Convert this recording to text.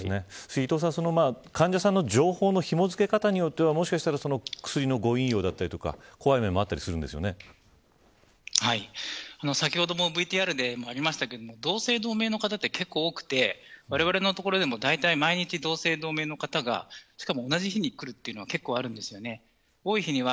伊藤さん、患者さんの情報のひも付け方によっては薬の誤運用だったり怖い面もあったり先ほどもＶＴＲにありましたが同姓同名の方は結構多くてわれわれの所でも毎日、同姓同名の方がしかも、同じ日に来るというのが結構あります。